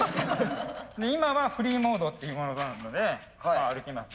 今はフリーモードっていうモードなので歩けます。